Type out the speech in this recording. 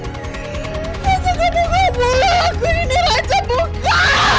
raja kamu gak boleh lakuin ini raja buka